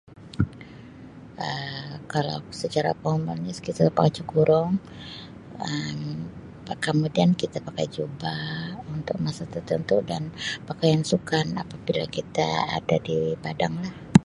Um Kalau secara formal saya suka pakai baju kurung Um kemudian kita pakai jubah untuk masa tertentu dan pakaian sukan apabila kita ada di padanglah.